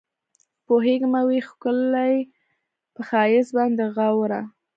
پوهېږمه وي ښکلي پۀ ښائست باندې غاوره